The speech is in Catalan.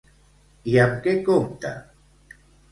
I amb què compta?